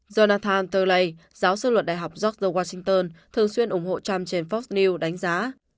jonathan tlaib giáo sư luật đại học george washington thường xuyên ủng hộ trump trên fox news đánh giá